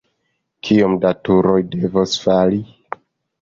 Kiom da turoj devos fali?